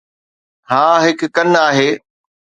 ها، هڪ ڪن آهي